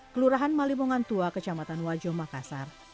kelurahan malipongan tua kecamatan wajo makassar